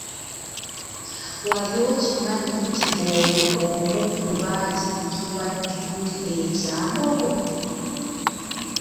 Wali okimanyi nti oyo omu ku baatikkirwa ddiguli e Kyambogo?